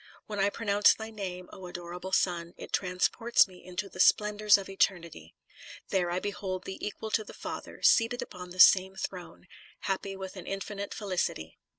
When I pronounce thy name, O adorable Son, it transports me into the splendors of eternity. There I behold thee equal to the Father, seated upon the In the Nineteenth Century. 279 same throne, happy with an infinite felicity.